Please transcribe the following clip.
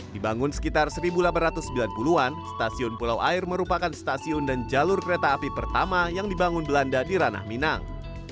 dibangun sekitar seribu delapan ratus sembilan puluh an stasiun pulau air merupakan stasiun dan jalur kereta api pertama yang dibangun belanda di ranah minang